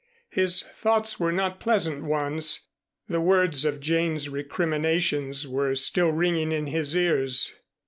His thoughts were not pleasant ones. The words of Jane's recrimination were still ringing in his ears.